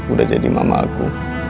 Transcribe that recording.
udah jadi mama aku